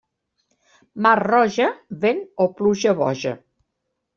Mar roja, vent o pluja boja.